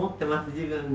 自分で。